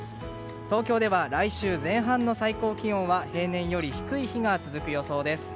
東京では来週前半の最高気温は平年より低い日が続く予想です。